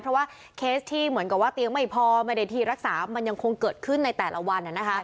เพราะว่าเคสที่เหมือนกับว่าเตียงไม่พอไม่ได้ที่รักษามันยังคงเกิดขึ้นในแต่ละวัน